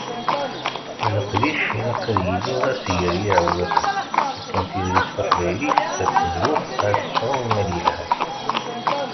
Leqdic ilaq ad yili, ɣas gar yiɛewwiqen. Akken tizlit taqbaylit ad tezbu, ad tesɛu imal yelhan.